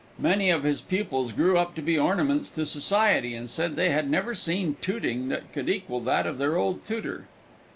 Many of his pupils grew up to be ornaments to society, and said they had never seen tuting that could equal that of their old tutor.